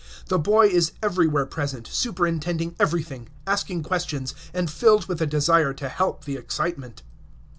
The boy is everywhere present, superintending everything, asking questions, and filled with a desire to help the excitement.